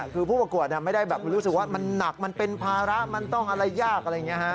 คือผู้ประกวดไม่ได้แบบรู้สึกว่ามันหนักมันเป็นภาระมันต้องอะไรยากอะไรอย่างนี้ฮะ